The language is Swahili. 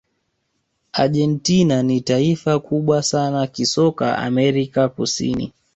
argentina ni taifa kubwa sana kisoka amerika kusini